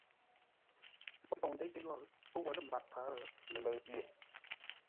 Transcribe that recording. Ə́ pou ndeitə́ yórə́, pə́ wo lə̂ mbap mpfarə́, lələʉ pye.